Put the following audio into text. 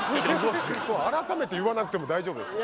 改めて言わなくても大丈夫ですよ。